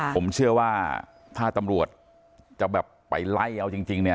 ผมเชื่อว่าถ้าตำรวจจะไปไล่เอาจริง